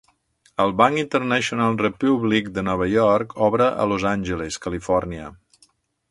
El Bank International Republic de Nova York obre a Los Angeles, Califòrnia.